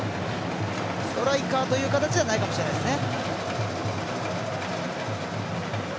ストライカーという形ではないかもしれないですね。